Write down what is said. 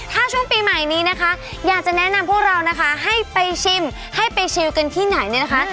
ถ้าช่วงปีใหม่นี้นะคะอยากจะแนะนำพวกเรานะคะให้ไปชิมให้ไปชิวกันที่ไหนเนี่ยนะคะ